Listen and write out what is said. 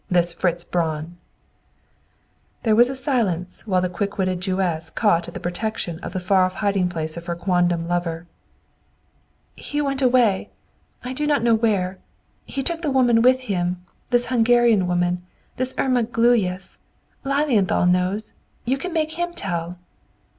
"This Fritz Braun!" There was a silence while the quick witted Jewess caught at the protection of the far off hiding place of her quandam lover. "He went away; I do not know where; and took the woman with him, this Hungarian woman, this Irma Gluyas! Lilienthal knows; you can make him tell."